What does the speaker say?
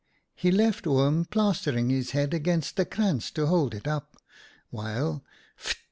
"He left Oom plastering his head against the krantz to hold it up, while — pht